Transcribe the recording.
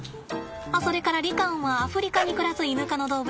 あそれからリカオンはアフリカに暮らすイヌ科の動物ね。